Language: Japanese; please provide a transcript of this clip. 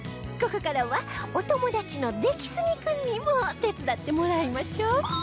ここからはお友達の出木杉君にも手伝ってもらいましょう